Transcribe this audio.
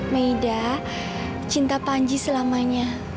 meida cinta panji selamanya